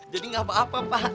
jadi gak apa apa pak